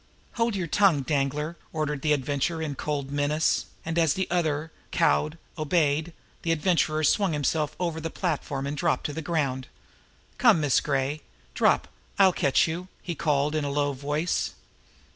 "Hold your tongue, Danglar!" ordered the Adventurer in cold menace; and as the other, cowed, obeyed, the Adventurer swung himself over the platform and dropped to the ground. "Come, Miss Gray. Drop! I'll catch you!" he called in a low voice.